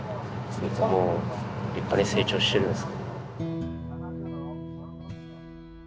もう立派に成長してるんです。